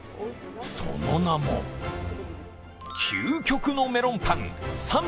その名も、究極のメロンパン。